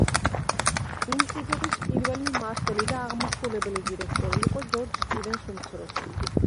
ინსტიტუტის პირველი მმართველი და აღმასრულებელი დირექტორი იყო ჯორჯ სტივენს უმცროსი.